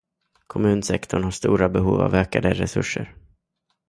Kommunsektorn har stora behov av ökade resurser.